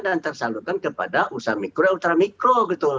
dan tersalurkan kepada usaha mikro dan ultra mikro